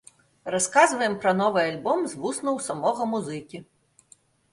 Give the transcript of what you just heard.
Расказваем пра новы альбом з вуснаў самога музыкі.